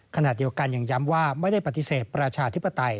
ขณะเดียวกันยังย้ำว่าไม่ได้ปฏิเสธประชาธิปไตย